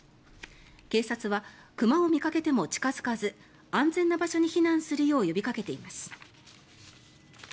警察は熊を見かけても近付かず安全な場所に避難するよう呼びかけています。